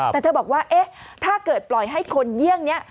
แต่เธอบอกว่าเอ๊ะถ้าเกิดปล่อยให้คนเยี่ยงนี้